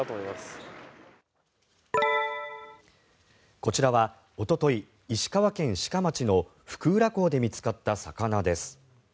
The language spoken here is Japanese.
こちらは、おととい石川県志賀町の福浦港で見つかった魚です。